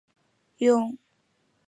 用过一个年号为明启。